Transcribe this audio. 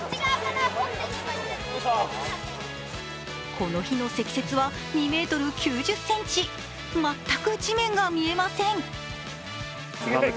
この日の積雪は２ｍ９０ｃｍ、全く地面が見えません。